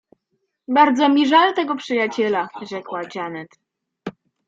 — Bardzo mi żal tego przyjaciela — rzekła Janet.